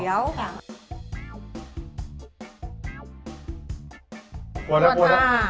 กลัวแล้ว